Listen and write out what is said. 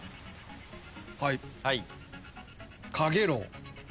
はい。